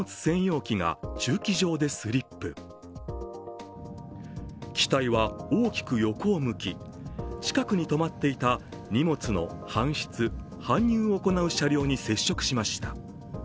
機体は大きく横を向き、近くに止まっていた荷物の搬出・搬入を行う車両に接触しました。